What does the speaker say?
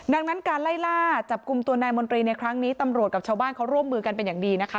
ดังนั้นการไล่ล่าจับกลุ่มตัวนายมนตรีในครั้งนี้ตำรวจกับชาวบ้านเขาร่วมมือกันเป็นอย่างดีนะคะ